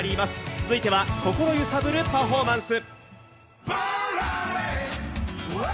続いては、心揺さぶるパフォーマンス。